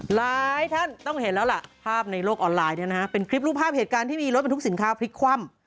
หลายท่านต้องเห็นแล้วล่ะภาพในโลกออนไลน์เนี่ยนะฮะเป็นคลิปรูปภาพเหตุการณ์ที่มีรถบรรทุกสินค้าพลิกคว่ำ